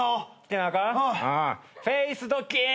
フェイスドッキング。